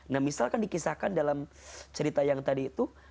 nah misalkan dikisahkan dalam cerita yang tadi itu